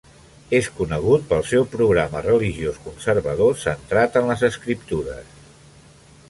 És conegut pel seu programa religiós conservador centrat en les escriptures.